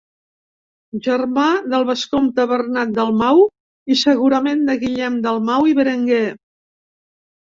Germà del vescomte Bernat Dalmau i segurament de Guillem Dalmau i Berenguer.